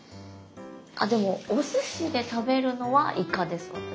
あでもおすしで食べるのはイカです私。